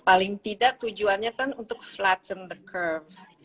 paling tidak tujuannya kan untuk flatten the curve